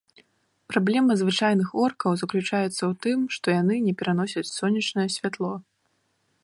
Праблема звычайных оркаў заключаецца ў тым, што яны не пераносяць сонечнае святло.